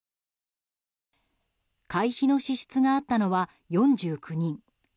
会費の支出があったのは４９人。